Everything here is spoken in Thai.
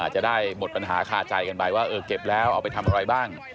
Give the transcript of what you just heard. จะได้หมดปัญหาคาใจกันไปว่าเออเก็บแล้วเอาไปทำอะไรบ้าง